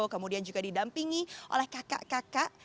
kemudian juga didampingi oleh kakak kakak